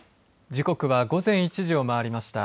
時刻は午前１時を回りました。